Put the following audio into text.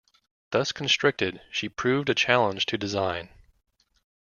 Thus constricted, she proved a challenge to design.